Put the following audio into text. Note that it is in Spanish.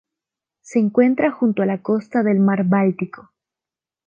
Se encuentra junto a la costa del mar Báltico.